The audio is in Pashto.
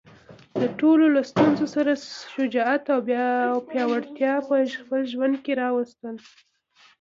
د ټولو له ستونزو سره شجاعت او پیاوړتیا په خپل ژوند کې راوستل.